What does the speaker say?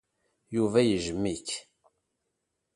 Yuba yejjem-ik.